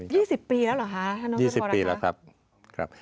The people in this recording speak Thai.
ยี่สิบปีแล้วเหรอฮะถ้าน้องท่านพอรักษณ์ครับยี่สิบปีแล้วครับ